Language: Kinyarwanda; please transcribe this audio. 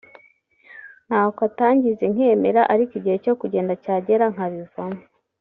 ntako atangize nkemera ariko igihe cyo kugenda cyagera nkabivamo